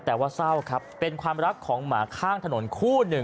แต่ว่าเศร้าครับเป็นความรักของหมาข้างถนนคู่หนึ่ง